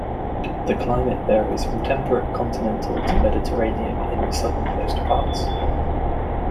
The climate varies from temperate continental to Mediterranean in the southernmost parts.